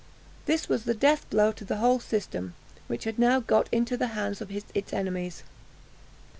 This was the death blow to the whole system, which had now got into the hands of its enemies.